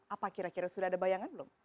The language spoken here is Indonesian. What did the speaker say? apa kira kira sudah ada bayangan belum